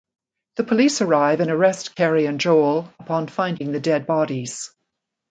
The police arrive and arrest Carrie and Joel upon finding the dead bodies.